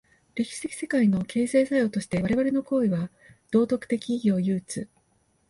歴史的世界の形成作用として我々の行為は道徳的意義を有つ。